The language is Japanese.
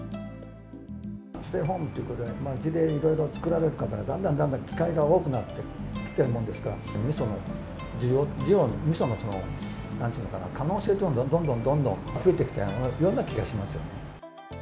ステイホームということで、おうちでいろいろ作られる方が、機会がだんだんだんだん機会が多くなってきているものですから、みその需要、みその、なんていうのかな、可能性というのが、どんどんどんどん増えてきたような気がしますよね。